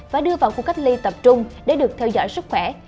và đưa vào khu cách ly tập trung để được theo dõi sức khỏe